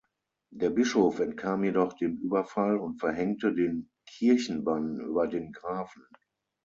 Der Bischof entkam jedoch dem Überfall und verhängte den Kirchenbann über den Grafen.